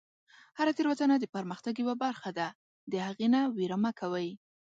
هره تیروتنه د پرمختګ یوه برخه ده، د هغې نه ویره مه کوئ.